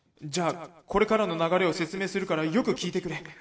じゃあこれからの流れを説明するからよく聞いてくれ」。